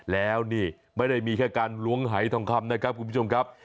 แล้วนี่ไม่ได้มีแค่การล้วงหายทองคำนะครับคุณผู้ชมครับ